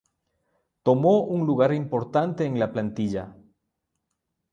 Tomó un lugar importante en la Plantilla.